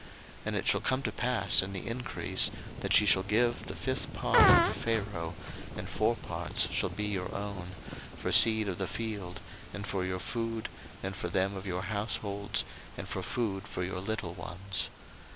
01:047:024 And it shall come to pass in the increase, that ye shall give the fifth part unto Pharaoh, and four parts shall be your own, for seed of the field, and for your food, and for them of your households, and for food for your little ones.